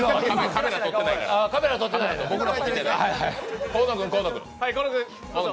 カメラ、撮ってないから。